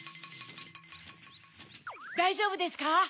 だいじょうぶですか？